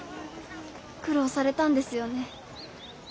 苦労されたんですよね。